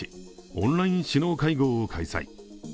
オンライン首脳会合を開催。